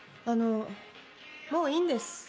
「あのもういいんです」